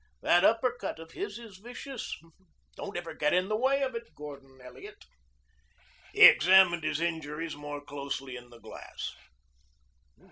That uppercut of his is vicious. Don't ever get in the way of it, Gordon Elliot." He examined his injuries more closely in the glass.